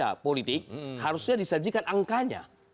kalau itu ada politik harusnya disajikan angkanya